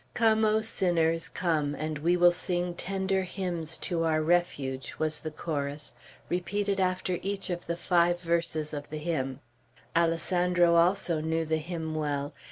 "Come, O sinners, Come, and we will sing Tender hymns To our refuge," was the chorus, repeated after each of the five verses of the hymn. Alessandro also knew the hymn well.